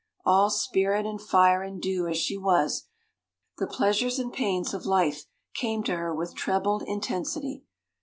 All "spirit and fire and dew," as she was, the pleasures and pains of life came to her with trebled intensity.